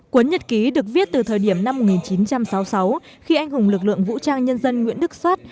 quấn nhật ký được viết từ thời điểm năm một nghìn chín trăm sáu mươi sáu khi anh hùng lực lượng vũ trang nhân dân nguyễn đức soát